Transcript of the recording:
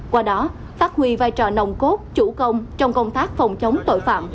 qua đó phát huy vai trò nồng cốt chủ công trong công tác phòng chống tội phạm